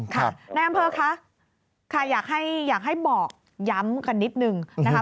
ค่ะนายอำเภอคะอยากให้บอกย้ำกันนิดนึงนะครับ